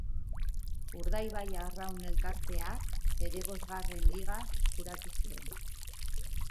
Urdaibai Arraun Elkarteak bere bosgarren Liga eskuratu zuen.